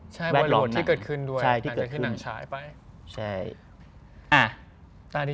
ใช่บริบทที่เกิดขึ้นด้วยหลังจากที่หนังฉายไป